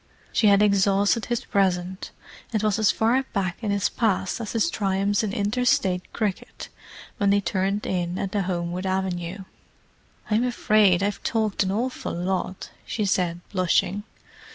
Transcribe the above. She had exhausted his present, and was as far back in his past as his triumphs in inter State cricket, when they turned in at the Homewood avenue. "I'm afraid I've talked an awful lot," she said, blushing.